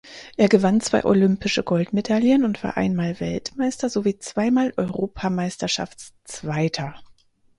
Er gewann zwei olympische Goldmedaillen und war einmal Weltmeister sowie zweimal Europameisterschaftszweiter.